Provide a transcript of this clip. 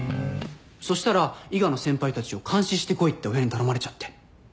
そしたら伊賀の先輩たちを監視してこいって親に頼まれちゃって。